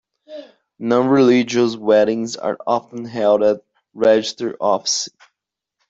Non-religious weddings are often held at a Register Office